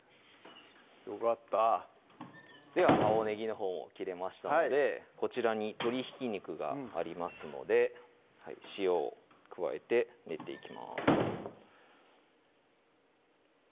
よかったでは青ねぎのほうも切れましたのでこちらに鶏ひき肉がありますので塩を加えて練っていきます